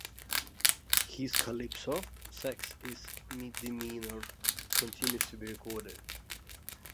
His calypso, "Sex is a Misdemeanor", continues to be recorded.